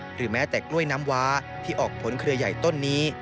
หรือแม้แต่กล้วยน้ำว้าที่ออกผลเครือใหญ่ต้นนี้